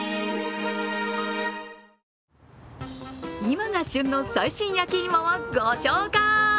今が旬の最新やきいもをご紹介。